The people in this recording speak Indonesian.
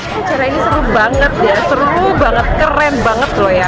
acara ini seru banget seru banget keren banget loh ya